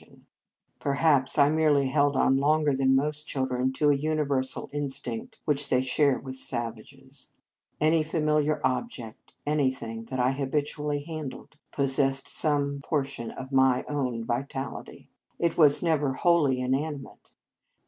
179 In Our Convent Days Perhaps I merely held on longer than most children to a universal instinct which they share with savages. Any familiar object, anything that I ha bitually handled, possessed some por tion of my own vitality. It was never wholly inanimate.